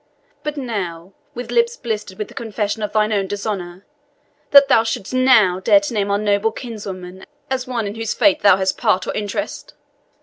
But now, with lips blistered with the confession of thine own dishonour that thou shouldst NOW dare to name our noble kinswoman as one in whose fate thou hast part or interest!